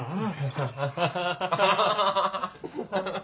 ハハハハ。